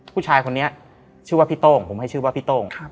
ผู้ชายคนนี้ชื่อว่าพี่โต้งผมให้ชื่อว่าพี่โต้ง